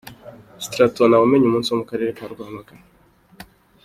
Straton Ntawumenyumunsi wo mu Karere ka Rwamagana